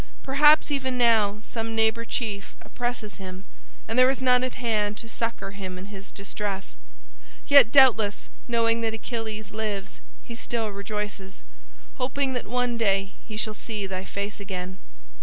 Perhaps even now some neighbor chief oppresses him and there is none at hand to succor him in his distress. Yet doubtless knowing that Achilles lives he still rejoices, hoping that one day he shall see thy face again.